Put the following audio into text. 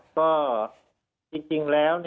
อ๋อก็จริงแล้วนี่